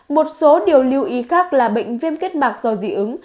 một số điều lưu ý khác là bệnh viêm kết mạc do dị ứng